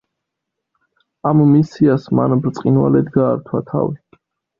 ამ მისიას მან ბრწყინვალედ გაართვა თავი.